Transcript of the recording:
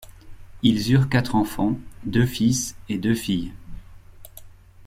Ils eurent quatre enfants, deux fils et deux filles.